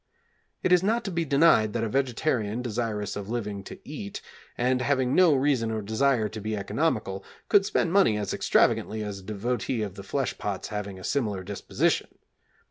It is not to be denied that a vegetarian desirous of living to eat, and having no reason or desire to be economical, could spend money as extravagantly as a devotee of the flesh pots having a similar disposition.